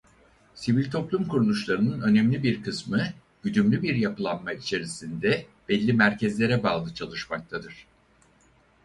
Sivil toplum kuruluşlarının önemli bir kısmı güdümlü bir yapılanma içerisinde belli merkezlere bağlı çalışmaktadırlar.